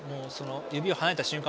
指を離れた瞬間